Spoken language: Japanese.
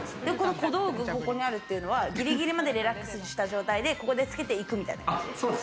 小道具がここにあるっていうのは、ぎりぎりまでリラックスした状態でここでつけていくみたいな。